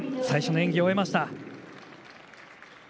最初の演技を終えました。